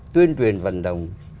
tuyên truyền vận động